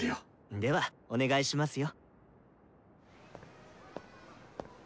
ではお願いしますよ。